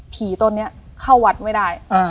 ผีตัวเนี่ยเข้าวัดไม่ได้